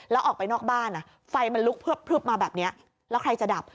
แล้วออกไปนอกบ้านไฟมันลุกพลึบมาแบบนี้แล้วใครจะดับ